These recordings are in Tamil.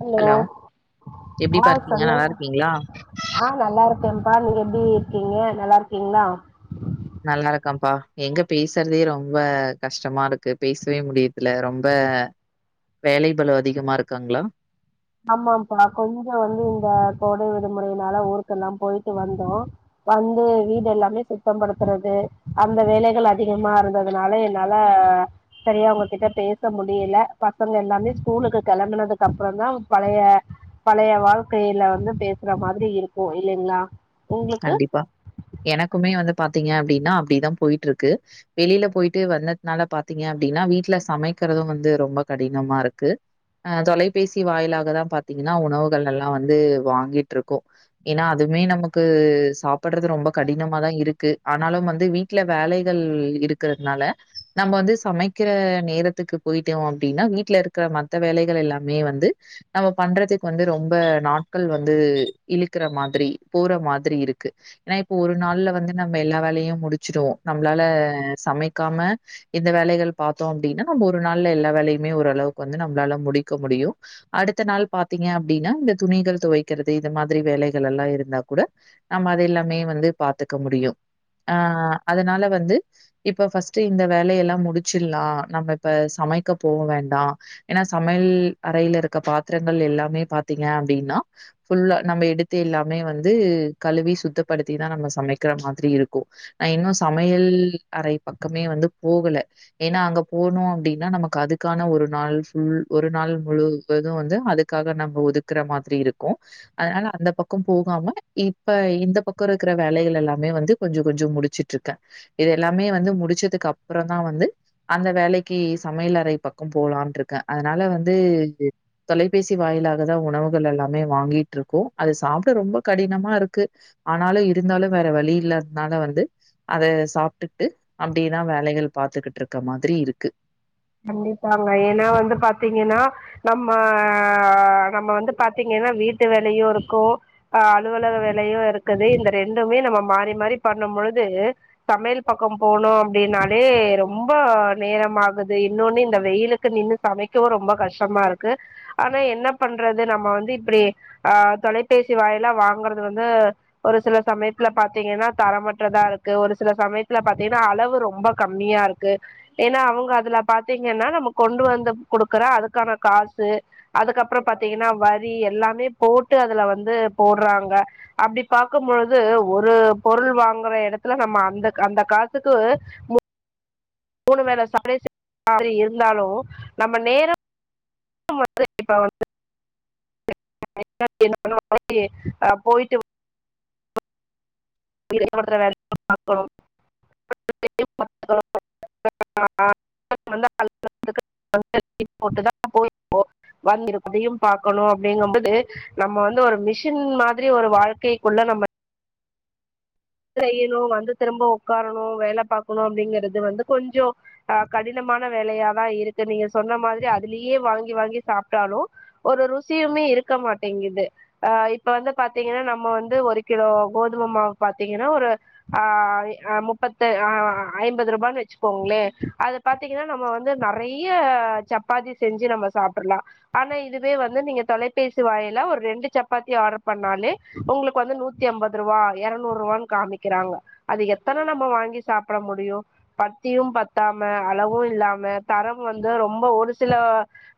ஹலோ எப்டிப்பா ஆஹ் இருக்கீங்க நல்லா சொல்லுங்க இருக்கீங்களா ஆஹ் நல்லா இருக்கேன் பா நீங்க எப்டி இருக்கீங்க நல்லா இருக்கீங்களா நல்லா இருக்கான்ப்பா எங்க பேசுறதே ரொம்ப கஷ்டமா இருக்கு பேசவே முடியுதுல ரொம்ப வேலை பளு அதிகமா இருக்காங்களா ஆமாம்பா கொஞ்சம் வந்து இந்த கோடை விடுமுறையினால ஊருக்கு எல்லாம் போயிட்டு வந்தோம் வந்து வீடு எல்லாமே சுத்தம் படுத்துறது அந்த வேலைகள் அதிகமா இருந்ததுனால என்னால சரியா உங்ககிட்ட பேச முடியல பசங்க எல்லாமே ஸ்கூலுக்கு கிளம்புனதுக்கு அப்புறம் தான் பழைய பழைய வாழ்க்கையில வந்து பேசுற மாதிரி இருக்கும் இல்லைங்களா உங்களுக்கு கண்டிப்பா எனக்குமே வந்து பாத்தீங்க அப்டின்னா அப்டிதான் போய்ட்டு இருக்கு வெளில போயீட்டு வந்ததுனால பாத்தீங்க அப்டின்னா வீட்ல சமைக்கிறதும் வந்து ரொம்ப கடினமா இருக்கு ஆஹ் தொலைபேசி வாயிலாக தான் பாத்தீங்கன்னா உணவுகள் எல்லாம் வந்து வாங்கிட்ருக்கோ ஏன்னா அதுமே நமக் க்கு சாப்பட்றது ரொம்ப கடினமாதான் இருக்கு ஆனாலும் வந்து வீட்ல வேலைகள் இருக்கிறதுனால நம்ம வந்து சமைக்கிற நேரத்துக்கு போயிட்டோம் அப்டின்னா வீட்ல இருக்கிற மத்த வேலைகள் எல்லாமே வந்து நம்ம பண்றதுக்கு வந்து ரொம்ப நாட்கள் வந்து இழுக்குற மாதிரி போற மாதிரி இருக்கு ஏன்னா இப்போ ஒரு நாள்ல வந்து நம்ம எல்லா வேலையும் முடிச்சுடுவோம் நம்மளால சமைக்காம இந்த வேலைகள் பாத்தோம் அப்டின்னா நம்ம ஒரு நாள்ல எல்லா வேலையுமே ஓரளவுக்கு வந்து நம்மளால முடிக்க முடியும் அடுத்த நாள் பாத்தீங்க அப்டின்னா இந்த துணிகள் துவைக்கிறது இது மாதிரி வேலைகள் எல்லாம் இருந்தா கூட நம்ம அது எல்லாமே வந்து பாத்துக்க முடியும் ஆஹ் அதுனால வந்து இப்ப ஃபஸ்ட்டு இந்த வேலையெல்லாம் முடிச்சிட்லாம் நம்ம இப்ப சமைக்க போக வேண்டாம் ஏன்னா சமையல் அறையில இருக்க பாத்திரங்கள் எல்லாமே பாத்தீங்க அப்டின்னா ஃபுல்லா நம்ம எடுத்து எல்லாமே வந் து கழுவி சுத்தப்படுத்தி தான் நம்ம சமைக்கிற மாதிரி இருக்கும் நா இன்னும் சமையல் அறை பக்கமே வந்து போகல ஏன்னா அங்க போனும் அப்டின்னா நமக்கு அதுக்கான ஒரு நாள் ஃபுல் ஒரு நாள் முழுவதும் வந்து அதுக்காக நம்ம ஒதுக்குற மாதிரி இருக்கும் அதுனால அந்த பக்கம் போகாம இப்ப இந்த பக்கம் இருக்கற வேலைகள் எல்லாமே வந்து கொஞ்சோ கொஞ்சோ முடிச்சுட்ருக்கேன் இது எல்லாமே வந்து முடிச்சதுக்கு அப்புறம் தான் வந்து அந்த வேலைக்கு சமையல் அறை பக்கம் போலான்ருக்கேன் அதுனால வந்து தொலைபேசி வாயிலாக தான் உணவுகள் எல்லாமே வாங்கிட்டு இருக்கோம் அது சாப்ட ரொம்ப கடினமா இருக்கு ஆனாலும் இருந்தாலும் வேற வழி இல்லாதனால வந்து அத சாப்ட்டுட்டு அப்டிதான் வேலைகள் பாத்துக்கிட்டு இருக்க மாதிரி இருக்கு கண்டிப்பாங்க ஏன்னா வந்து பாத்தீங்கன்னா நம்ம நம்ம வந்து பாத்தீங்கன்னா வீட்டு வேலையும் இருக்கும் ஆஹ் அலுவலக வேலையும் இருக்குது இந்த ரெண்டுமே நம்ம மாறி மாறி பண்ணும் பொழுது சமையல் பக்கம் போனோம் அப்டினாலே ரொம்ப நேரம் ஆகு து இன்னொன்னு இந்த வெயிலுக்கு நின்னு சமைக்கவும் ரொம்ப கஷ்டமா இருக்கு ஆனா என்ன பண்றது நம்ம வந்து இப்டி ஆஹ் தொலைபேசி வாயிலா வாங்குறது வந்து ஒரு சில சமயத்துல பாத்தீங்கன்னா தரமற்றதா இருக்கு ஒரு சில சமயத்துல பாத்தீங்கன்னா அளவு ரொம்ப கம்மியா இருக்கு ஏன்னா அவுங்க அதுல பாத்தீங்கன்னா நம்ம கொண்டு வந்து குடுக்குற அதுக்கான காசு அதுக்கப்பறம் பாத்தீங்கன்னா வரி எல்லாமே போட்டு அதுல வந்து போட்றாங்க அப்டி பாக்கும்பொழுது ஒரு பொருள் வாங்குற இடத்துல நம்ம அந்த அந்த காசுக்கு மு மூணு வேல [inaudible] மாரி இருந்தாலும் நம்ம நேர [inaudible] இப்ப [inaudible] போய்ட்டு [inaudible] அதையும் பாக்கணும் அப்டிங்கும் போது நம்ம வந்து ஒரு மிஷின் மாதிரி ஒரு வாழ்க்கைக்குள்ள நம்ம செய்யணும் வந்து திரும்ப உக்காரணும் வேல பாக்கணும் அப்டிங்கிறது வந்து கொஞ்சோ அஹ் கடினமான வேலையாதான் இருக்கு நீங்க சொன்ன மாதிரி அதுலயே வாங்கி வாங்கி சாப்ட்டாலும் ஒரு ருசியுமே இருக்க மாட்டேங்குது அஹ் இப்ப வந்து பாத்தீங்கன்னா நம்ம வந்து ஒரு கிலோ கோதும மாவு பாத் தீங்கன்னா ஒரு ஆஹ் முப்பத்து ஆஹ் ஐம்பது ரூபானு வச்சு கோங்ளே அது பாத்தீங்கன்னா நம்ம வந்து நறைய சப்பாத்தி செஞ்சு நம்ம சாப்ட்றலா ஆனா இதுவே வந்து நீங்க தொலைபேசி வாயில ஒரு ரெண்டு சப்பாத்தி ஆர்டர் பண்ணாலே உங்குளுக்கு வந்து நூத்தி அம்பதுருபா இறநூ நூறுபானு காமிக்கிறாங்க அது எத்தன நம்ம வாங்கி சாப்புட முடியு பத்தியும் பத்தாம அளவோ இல்லாம தரம் வந்து ரொம்ப ஒரு சில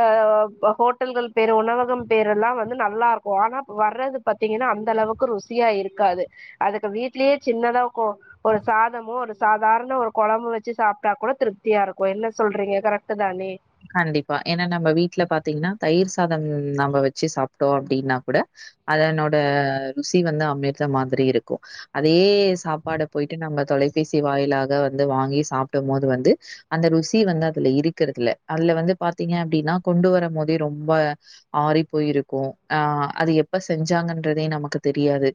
அ ஹோட்டல்கள் பேரு உணவகம் பேருலா வந்து நல்லா இருக்கோ ஆனா வர்றது பாத்தீங்கன்னா அந்த அளவுக்கு ருசியா இருக்காது அதுக்கு வீட்லேயே சின்னதா கொ ஒரு சாதமோ ஒரு சாதாரண ஒரு கொழம்பு வெச்சு சாப்ட்டா கூட திருப்தியா இருக்கோ என்ன சொல்றீங்க கரெக்ட்டு தானே கண்டிப்பா ஏன்னா நம்ம வீட்ல பாத்தீங்கன்னா தயிர் சாதம் நம்ம வெச்சு சாப்ட்டோ அப்டீன்னா கூட அதனோட ருசி வந்து அமிர்தம் மாதிரி இருக்கோ அதே சாப்பாடு போயிட்டு நம்ம தொலை பிசி வாயிலாக வந்து வாங்கி சாப்டோம் போது வந்து அந்த ருசி வந்து அதுல இருக்கறதுதில்ல அதுல வந்து பாத்தீங்க அப்படின்னா கொண்டு வர போதே ரொம்ப ஆறி போயிருக்கோ ஆ அது எப்ப செஞ்சாங்கன்றதே நமக்கு தெரியாது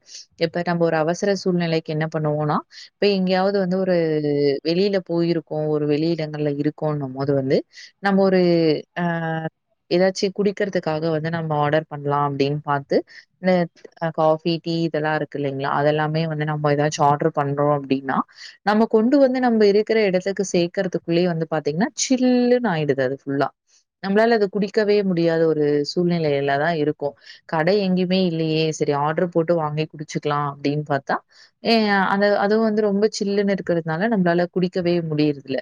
இப்ப நம்ம ஒரு அவசர சூழ்நிலைக்கு என்ன பண்ணுவோம்னா இப்ப எங்கேயாவது வந்து ஒரு வெளியில போயிருக்கோம் ஒரு வெளி இடங்கள்ல இருக்கும்ன்னும் போது வந்து நம்ம ஒரு அ ஏதாச்சு குடிக்கறத்தக்காக வந்து நம்ம ஆர்டர் பண்ணலா அப்டின்னு பாத்து இந்த காபி டீ இதெல்லா இருக்கு இல்லைங்களா அதெல்லாமே வந்து நம்ம ஏதாச்சும் ஆர்டரு பண்றோ அப்டீன்னா நம்ம கொண்டு வந்து நம்ம இருக்குற எடத்துக்கு சேர்க்கறதுக்குள்ளேயே வந்து பாத்தீங்கன்னா சில்லுனு ஆயிடுது இது அது ஃபுல்லா நம்ளால அது குடிக்கவே முடியாத ஒரு சூழ்நிலையிலதா இருக்கோ கடை எங்கேயுமே இல்லையே சரி ஆர்டர் போட்டு வாங்கி குடிச்சுக்கலா அப்டீன் பாத்தா ஏ அந்த அதுவும் வந்து ரொம்ப சில்லுன்னு இருக்கிறதுனால நம்மளால குடிக்கவே முடியறதுல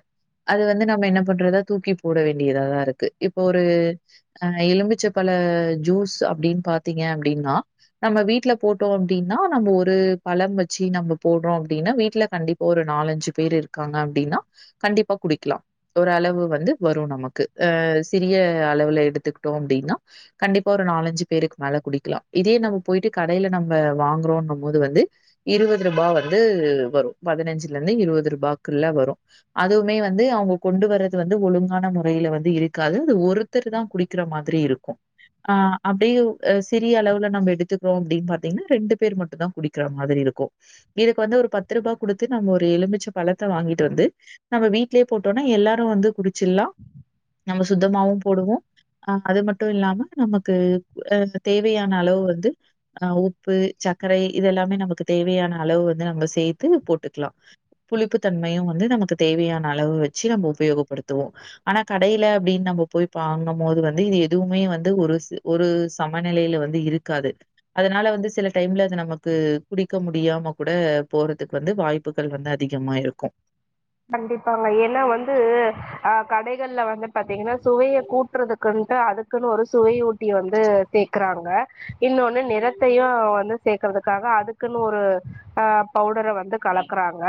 அது வந்து நம்ம என்ன பண்றது தூக்கிப் போட வேண்டியதா தா இருக்கு இப்போ ஒரு அ எலுமிச்ச பழ ஜூஸ் அப்டீன்னு பாத்தீங்க அப்டீன்னா நம்ம வீட்ல போட்டோ அப்டீன்னா நம்ம ஒரு பழம் வெச்சு நம்ம போடுறோ அப்டீன்னா வீட்ல கண்டிப்பா ஒரு நாலஞ்சு பேரு இருக்காங்க அப்டீன்னா கண்டிப்பா குடிக்கலா ஒரு அளவு வந்து வரும் நமக்கு அ சிறிய அளவுல எடுத்துக்கிட்டோம் அப்டீன்னா கண்டிப்பா ஒரு நாலஞ்சு பேருக்கு மேல குடிக்கலா இதே நம்ம போயிட்டு கடையில நம்ம வாங்குறோம்னு போது வந்து இருவதுருபா வந்து வரோ பதினஞ்சுல இருந்து இருவதுருபாக்குள்ள வரோ அதுவுமே வந்து அவுங்க கொண்டு வர்றது வந்து ஒழுங் கான முறையில வந்து இருக்காது அது ஒருத்தருதா குடிக்குற மாரி இருக்கோ அ அப்டீயே சிறிய அளவுல நம்ம எடுத்துக்குறோ அப்டீன்னு பாத்தீங்கன்னா ரெண்டு பேரு மட்டுந்தா குடிக்குற மாரி இருக்கோ இதுக்கு வந்து ஒரு பத்துருபா குடுத்து நம்ம ஒரு எலுமிச்ச பழத்த வாங்கிட்டு வந்து நம்ம வீட்லயே போட்டோம்னா எல்லாரோ வந்து குடிச் ச்சுலா நம்ம சுத்தமாவோ போடுவோ அ அது மட்டோ இல்லாம நமக்கு அ தேவையான அளவு வந்து அ உப்பு சக்கரை இது எல்லாமே நமக்கு தேவையான அளவு வந்து நம்ம சேத்து போட்டுக்கலா புளிப்பு தன்மையு வந்து நமக்கு தேவையான அளவு வெச்சு நம்ம உபயோகப்படுத் த்துவோ ஆனா கடையில அப்டீன்னு நம்ம போய் பாங்னோ போது வந்து இது எதுவுமே வந்து ஒரு ஒரு சமநெலையில வந்து இருக்காது அதனால வந்து சில டைம்ல அது நமக்கு குடிக்க முடியாம கூட போறதுக்கு வந்து வாய்ப்புகள் வந்து அதிகமா இருக்கோ கண்டிப்பாங்க ஏன்னா வந்து அ கடைகள்ல வந்து பாத்தீங்கன்னா சுவைய கூட்றதுக்குன் ட்டு அதுக்குன்னு ஒரு சுவையூட்டி வந்து சேக்குறாங்க இன்னோன்னு நிறத்தையு வந்து சேர்க்கறதுக்காக அதுக்குன்னு ஒரு அ பவுடர வந்து கலக்குறாங்க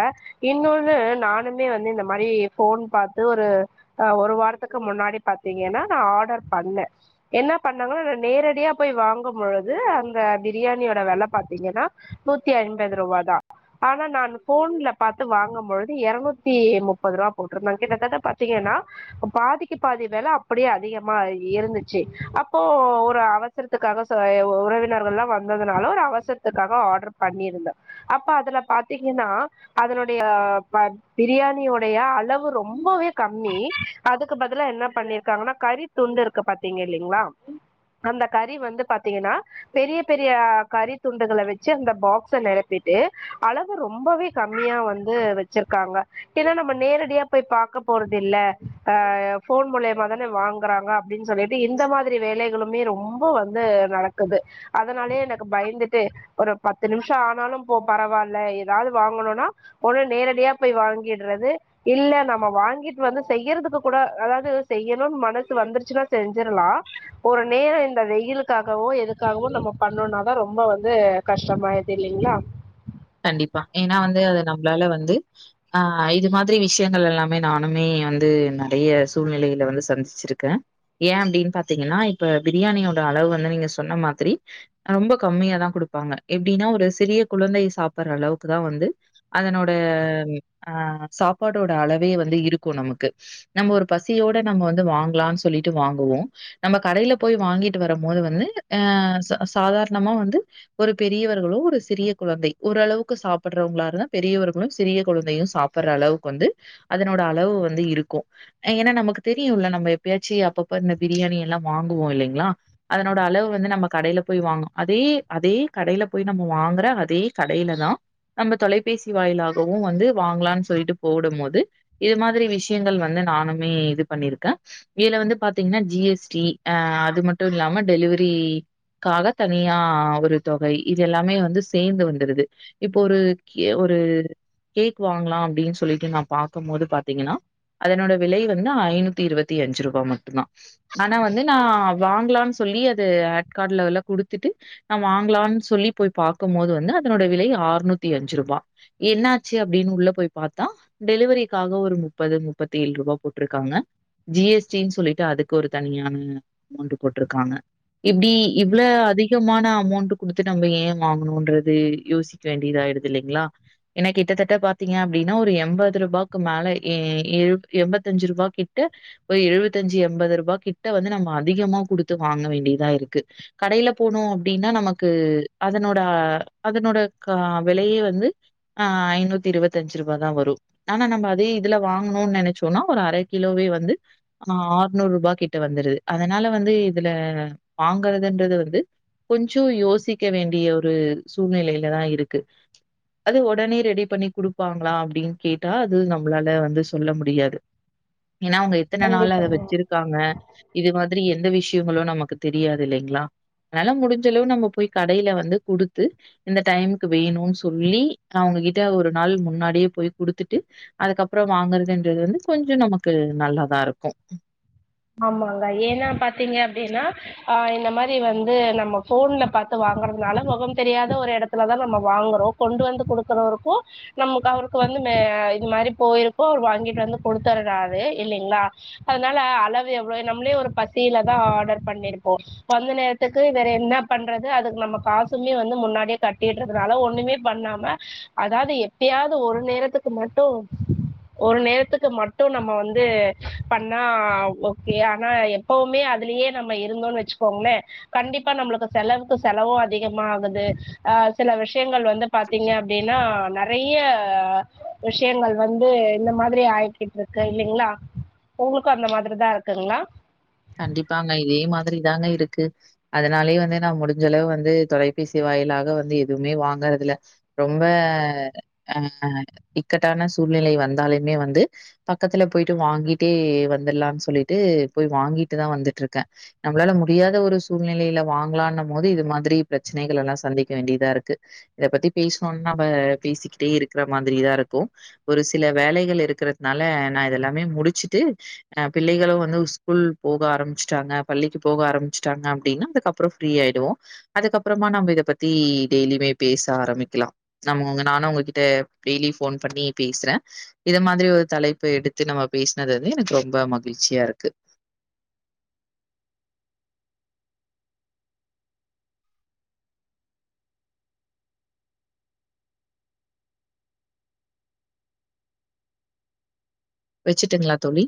இன்னோன்னு நா நானுமே வந்து இந்த மாரி ஃபோன் பாத்து ஒரு ஒரு வாரத்துக்கு முன்னாடி பாத்தீங்கன்னா நா ஆர்டர் பண்ண என்ன பண்ணங்க நேரடியா போய் வாங்கும் பொழுது அந்த பிரியாணியோட வெல பாத்தீங்கன்னா நூத்தி ஐம்பதுருபாதா ஆனா நா ஃபோன்ல பாத்து வாங்கும் பொழுது எரநூத் த்தி முப்பதுருபா போட்டு இருந்தாங்க கிட்டத்தட்ட பாத்தீங்கன்னா பாதிக்கு பாதி வெல அப்படியே அதிகமா இருந்துச்சு அப்போ ஒரு அவசரத்துக்காக சோ உறவினர்கள்லா வந்ததுனால ஒரு அவசரத்துக்காக ஆர்டர் பண்ணியிருந்தோ அப்போ அதுல பாத்தீங்கன்னா அதனுடைய ப பிரியாணியோடைய அளவு ரொம்பவே கம்மி அதுக்கு பதிலா என்ன பண்ணிருக்காங்கன்னா கறி துண்டு இருக்கு பாத்தீங்க இல்லலைங்களா அந்த கறி வந்து பாத்தீங்கன்னா பெரிய பெரிய அளவில் கறி துண்டுகளை வெச்சு அந்த பாக்ஸ நெரப்பிட்டு அளவு ரொம்பவே கம்மியா வந்து வெச்சிருக் க்காங்க ஏன்னா நம்ம நேரடியா போய் பாக்க போறது இல்ல ஆ ஃபோன் மூலியமா தானே வாங்குறாங்க அப்டீன்னு சொல்லிட்டு இந்த மாரி வேலைகளுமே ரொம்ப வந்து நடக்குது அதனாலயே எனக்கு பயந்துட்டு ஒரு பத்து நிமிஷோ ஆனாலோ போ பரவாயில்ல ஏதாவது வாங்கணும்னா ஒன்னு நேரடியாப் போய் வாங்கிடுறது இல்ல நம்ம வாங்கிட்டு வந்து செய்யறதுக்கு கூட அதாவது செய்யணும்னு மனசு வந்துருச்சுன்னா செஞ்சிரலா ஒரு நேரோ இந்த வெயிலுக்காகவோ எதுக்காகவோ நம்ம பண்ணோனாதா ரொம்ப வந்து கஷ்டமாயிடுது இல்லீங்களா கண்டிப்பா ஏன்னா வந்து அது நம்மளால வந்து ஆ இது மாரி விஷயங்கள் எல்லாமே நானுமே வந்து நறைய சூழ்நிலையில வந்து சந்திச்சுருக்க ஏன் அப்படின்னு பாத்தீங்கன்னா இப்ப பிரியாணியோட அளவு வந்து நீங்க சொன்ன மாதிரி ரொம்ப கம்மியாதா குடுப்பாங்க எப்டீன்னா ஒரு சிறிய குழந்தை சாப் சாப்ட்ற அளவுக்குதா வந்து அதனோட ஆ சாப்பாடோட அளவே வந்து இருக்கோ நமக்கு நம்ம ஒரு பசியோட நம்ம வந்து வாங்கலாம்னு சொல்லிட்டு வாங்குவோம் நம்ம கடைல போய் வாங்கிட்டு வரும் போது வந்து அ ச சாதாரணமா வந்து ஒரு பெரியவர்களோ ஒரு சிறிய குழந்தை ஓரளவுக்கு சாப்படுறவங்களா இருந்தா பெரியவர்களும் சிறிய குழந்தையும் சாப்புட்ற அளவுக்கு வந்து அதனோட அளவு வந்து இருக்கோ ஏன்னா நமக்கு தெரியுல நம்ம எப்பயாச்சு அப்பப்ப இந்த பிரியாணி எல்லா வாங்குவோம் இல்லைங்களா அதனோட அளவு வந்து நம்ம கடையில போய் வாங்கோ அதே அதே கடையில போய் நம்ம வாங்குற அதே கடையிலதா நம்ம தொலைபேசி வாயிலாகவும் வந்து வாங்கலான்னு சொல்லிட்டு போடும் போது இது மாரி விஷயங்கள் வந்து நானுமே இது பண்ணிருக்கேன் இதுல வந்து பாத்தீங்கன்னா ஜி எஸ் டி அ அது மட்டும் இல்லாம டெலிவரிக்காக தனியா ஒரு தொகை இது எல்லாமே வந்து சேர்ந்து வந் தருது இப்ப ஒரு கே ஒரு கேக் வாங்கலா அப்டீன்னு சொல்லிட்டு நான் பாக்கும்போது பாத்தீங்கன்னா அதனோட விலை வந்து ஐநூத்தி இருவத்தி அஞ்சு ரூபா மட்டு்ம்தா ஆனா வந்து நா வாங்கலாம்னு சொல்லி அது ஆட் கார்ட்லலா குடுத்துட்டு நா வாங்கலானு சொல்லி போய் பாக்கும் போது வந்து அ இதனோட விலை ஆறுநூத்தி அஞ்சுருபா என்னாச்சு அப்டீன்னு உள்ள போய் பாத்தா டெலிவரிக்காக ஒரு முப்பது முப்பத்தி ஏழு ரூபா போட்டுருக்காங்க ஜி எஸ் டி ன்னு சொல்லிட்டு அதுக்கு ஒரு தனியான அமௌண்ட் போட்டுருக்காங்க இப்படி இவ்ள அதிகம் மான அமௌண்ட் குடுத்து நம்மோ ஏன் வாங்கோனோன்றது யோசிக்க வேண்டியதாயிடுது இல்லைங்களா என்னா கிட்டத்தட்ட பாத்தீங்க அப்டீன்னா ஒரு எண்பதுருபாய்க்கு மேல ஏ எ எண்பத்தஞ்சுருபா கிட்ட ஒரு எழுபத்தஞ்சு எண்பது ரூபாய் கிட்ட வந்து நம்ம அதிகமா குடுத்து வாங்க வேண்டியதா இருக்கு கடையில போனோம் அப்டீன்னா நமக்கு அதனோட அதனோட க விலையே வந்து ஆ ஐநூத்தி இருவத்தஞ்சுருபாதா வரோ ஆனா நம்ம அதே இதுல வாங்கணோம்னு நெனைச்சோன்னா ஒரு அர கிலோவே வந்து அ ஆறுநூறுபா கிட்ட வந்துடுது அதனால வந்து இதுல வாங்கறதுன்றது வந்து கொஞ்சோ யோசிக்க வேண்டிய ஒரு சூழ்நிலையிலதான் இருக்கு அது உடனே ரெடி பண்ணி குடுப்பாங்களா அப்படின்னு கேட்டா அது நம்மளால வந்து சொல்ல முடியாது ஏன்னா அவுங்க எத்தன நாள் அத கண்டிப்பாங்க வெச்சிருக்காங்க இது மாதிரி எ ந்த விஷயங்களோ நமக்கு தெரியாது இல்லைங்களா அதனால முடிஞ்சளவு நம்ம போய் கடையில வந்து குடுத் த்து இந்த டைமுக்கு வேணோனு சொல்லி அவுங்ககிட்ட ஒரு நாள் முன்னாடியே போய் குடுத்துட்டு அதுக்கப்பறோ வாங்குறதுன்றது வந்து கொஞ்சோம் நமக்கு நல்லாதா இருக்கோ ஆமாங்க ஏன்னா பாத்தீங்க அப்படின்னா அ இந்த மாரி வந்து நம்ம ஃபோன்ல பாத்து வாங்கறதுனால மொகோ தெரியாத ஒரு எடத்துலதா நம்ம வாங்குறோ கொண்டு வந்து குடுக்குறவருக்கும் நமக்கு அவருக்கு வந்து இது மாரி போயிருக்கோ அவர் வாங்கிட்டு வந்து கொடுத்துர்றாரு இல்லைங்களா அதனால அளவு எவ்ளோ நம்மளே ஒரு பசியிலதா ஆர்டர் பண்ணிருப்போம் வந்த நேரத்துக்கு வேற என்ன பண்றது அதுக்கு நம்ம காசுமே வந்து முன்னாடியே கட்டிறதுனால ஒண்ணுமே பண்ணாம அதாவது எப்பயாவது ஒரு நேரத்துக்கு மட்டும் ஒரு நேரத்துக்கு மட்டும் நம்ம வந்து பண்ணா க்கு ஆனா எப்பவுமே அதுலயே நம்ம இருந்தோன்னு வெச்சுக்கோங்களே கண்டிப்பா நம்மளுக்கு செலவுக்கு செலவோ அதிகமாகுது ஆ சில விஷயங்கள் வந்து பாத்தீங்க அப்டீன்னா நறைய விஷயங்கள் வந்து இந்த மாதிரி ஆயக்கிட்டு இருக்கு இல்லைங்களா உங்களுக்கும் அந்த மாதிரிதா இருக் குங்களா கண்டிப்பாங்க இதே மாதிரி தாங்க இருக்கு அதனாலயே வந்து நான் முடிஞ்சளவு வந்து தொலைபேசி வாயிலாக வந்து எதுவுமே வாங்கறதுல ரொம்ப ஆஹ் இக்கட்டான சூழ்நிலை வந்தாலுமே வந்து பக்கத்துல போயிட்டு வாங்கிட்டே வந்து தரலான்னு சொல்லிட்டு போய் வாங்கிட்டு தான் வந்துட்டு இருக்கேன் நம்மளால முடியாத ஒரு சூழ்நிலையில வாங்கலான் போது இது மாதிரி பிரச்சனைகள் எல்லாம் சந்திக்க வேண்டியதா இருக்கு இத பத்தி பேசணும்னு நம்ம பேசிக்கிட்டே இருக்கிற மாதிரி தான் இருக்கும் ஒரு சில வேலைகள் இருக்கிறதுனால நான் இதெல்லாமே முடிச்சுட்டு அஹ் பிள்ளைகளும் வந்து ஸ்கூல் போக ஆரம்பச்சட்டாங்க பள்ளிக்கு போக ஆரம்பிச்சுிட்டாங்க அப்படின்னா அதுக்கப்புறம் ஃப்ரீயிடுவோம் அதுக்கப்புறமா நம்ம இதை பத்தி டெய்லியுமே பேச ஆரம்பிக்கலாம் நம்மங்க நானும் உங்ககிட்ட டெய்லி போன் பண்ணி பேசுறேன் இத மாதிரி ஒரு தலைப்பு எடுத்து நம்ம பேசினது வந்து எனக்கு ரொம்ப மகிழ்ச்சியா இருக்கு வெச்சுட்டுங்களா தோழி